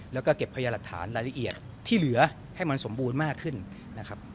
แล้วก็เก็บพยาหลักฐานรายละเอียดที่เหลือให้มันสมบูรณ์มากขึ้นนะครับ